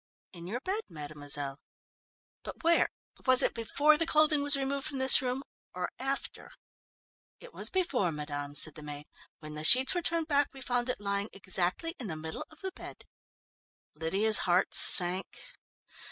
"In your bed, mademoiselle." "But where? Was it before the clothing was removed from this room or after?" "It was before, madame," said the maid. "When the sheets were turned back we found it lying exactly in the middle of the bed." Lydia's heart sank.